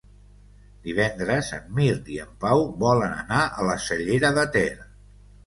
Divendres en Mirt i en Pau volen anar a la Cellera de Ter.